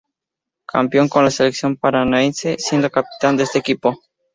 Campeón con la selección paranaense, siendo capitán de este equipo.